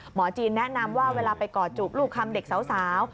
หมอจีนแนะนำว่าเวลาไปกอดจูบลูกคำเด็กสาว